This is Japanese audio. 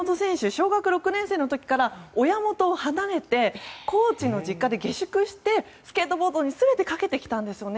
小学６年生の時から親元を離れてコーチの実家で下宿してスケートボードに全てかけてきたんですよね。